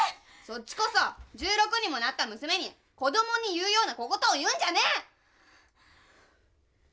そっちこそ１６にもなった娘に子供に言うような小言を言うんじゃねえ！